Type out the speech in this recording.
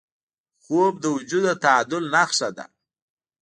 خوب د وجود د تعادل نښه ده